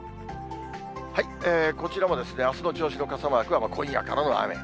こちらもあすの銚子の傘マークは今夜からの雨。